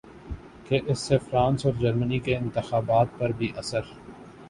کہ اس سے فرانس ا ور جرمنی کے انتخابات پر بھی اثر